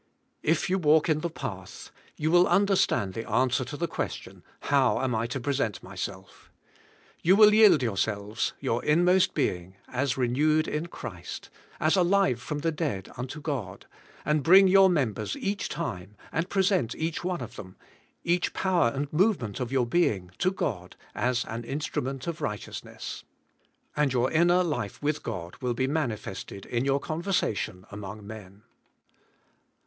If you walk in the path you will understand the answer to the question, How am I to present my self ? You will yield yourselves, your inmost being, as renewed in Christ, as alive from the dead unto God, and bring your members each time and present each one of them, each power and movement of your being to God, as an instrument of righteousness. And your inner life with God will be manifested in your conversation among men.